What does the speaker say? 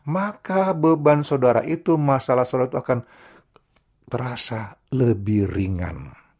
maka beban saudara itu masalah saudara itu akan terasa lebih ringan